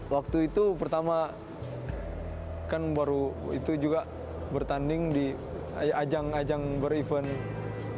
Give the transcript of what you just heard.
waktu itu pertama kan baru itu juga bertanding di ajang ajang ber event